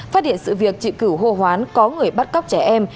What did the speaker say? phát hiện sự việc trị cử hô hoán có người bắt cóc trẻ em